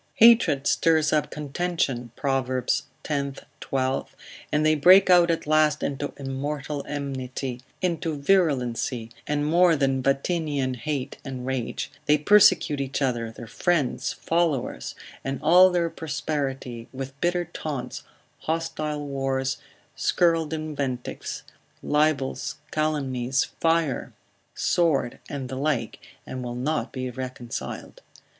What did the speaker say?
Hatred stirs up contention, Prov. x. 12, and they break out at last into immortal enmity, into virulency, and more than Vatinian hate and rage; they persecute each other, their friends, followers, and all their posterity, with bitter taunts, hostile wars, scurrile invectives, libels, calumnies, fire, sword, and the like, and will not be reconciled.